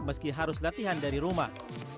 meski harus latihan dari rumah